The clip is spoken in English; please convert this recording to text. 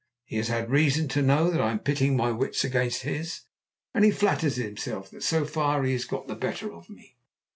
He has had reason to know that I am pitting my wits against his, and he flatters himself that so far he has got the better of me.